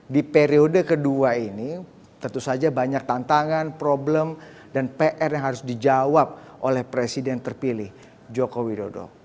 di periode kedua ini tentu saja banyak tantangan problem dan pr yang harus dijawab oleh presiden terpilih joko widodo